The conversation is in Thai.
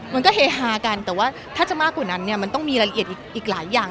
มันก็เฮฮากันแต่ว่าถ้าจะมากกว่านั้นเนี่ยมันต้องมีรายละเอียดอีกหลายอย่าง